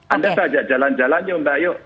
anda saja jalan jalannya mbak yuk